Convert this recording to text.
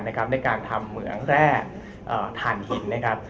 ในการทำเหมืองแร่ถ่านหิน